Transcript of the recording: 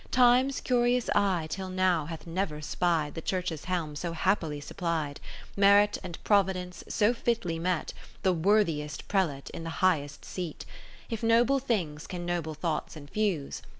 Time's curious eye till now hath never spied The Church's helm so happily supplied, Merit and Providence so fitly met. The worthiest Prelate in the highest seat. If noble things can noble thoughts infuse.